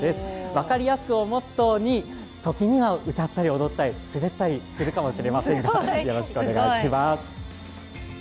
分かりやすくをモットーに、時には歌ったり、踊ったり、滑ったりするかもしれませんが、よろしくお願いします。